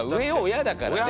親だからね。